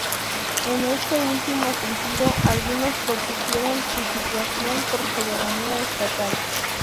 En este último sentido, algunos propusieron su sustitución por soberanía "estatal".